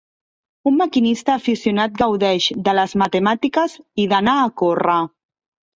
Un maquinista aficionat gaudeix de les matemàtiques i d'anar a córrer.